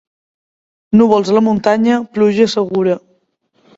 Núvols a la muntanya, pluja segura.